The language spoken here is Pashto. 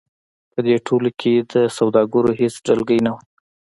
په دې ټولنو کې د سوداګرو هېڅ ډلګۍ نه وه.